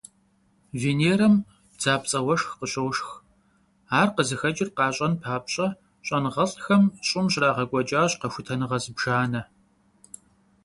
Венерэм бдзапцIэ уэшх къыщошх. Ар къызыхэкIыр къащIэн папщIэ щIэныгъэлIхэм ЩIым щрагъэкIуэкIащ къэхутэныгъэ зыбжанэ.